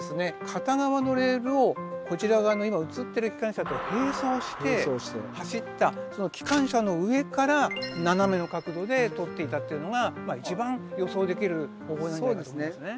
片側のレールをこちら側の今映ってる機関車と並走して走った機関車の上から斜めの角度で撮っていたっていうのが一番予想できる方法なんじゃないかと思いますね。